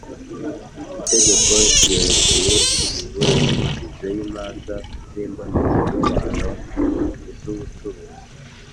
Itegeko ryerekeye imiburanishirize y’ imanza z’ imbonezamubano iz’ ubucuruzi